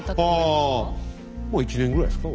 まあ１年ぐらいですか？